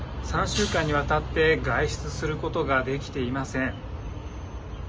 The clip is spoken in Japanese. ３週間にわたって外出することができていません。